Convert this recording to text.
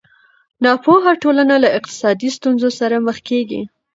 ناپوهه ټولنه له اقتصادي ستونزو سره مخ کېږي.